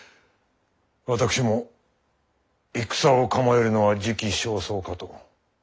私も戦を構えるのは時期尚早かと。